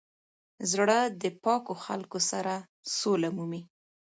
زړه د پاکو خلکو سره سوله مومي.